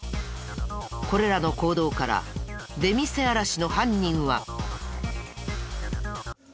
これらの行動から出店あらしの犯人は。